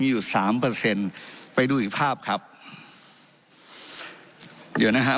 อยู่สามเปอร์เซ็นต์ไปดูอีกภาพครับเดี๋ยวนะฮะ